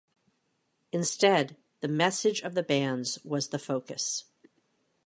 Instead, the message of the bands was the focus.